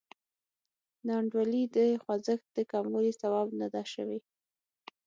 ناانډولي د خوځښت د کموالي سبب نه ده شوې.